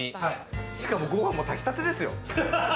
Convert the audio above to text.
ご飯も炊きたてですよ。